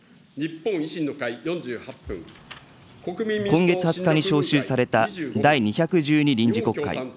今月２０日に召集された第２１２臨時国会。